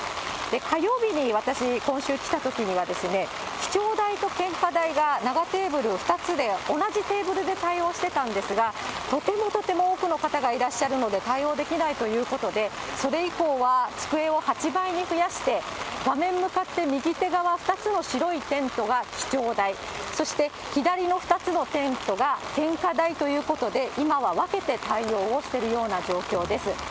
火曜日に私、今週来たときにはですね、記帳台と献花台が長テーブル２つで、同じテーブルで対応してたんですが、とてもとても多くの方がいらっしゃるので、対応できないということで、それ以降は、机を８倍に増やして、画面向かって右手側、２つの白いテントが記帳台、そして左の２つのテントが献花台ということで、今は分けて対応をしているような状況です。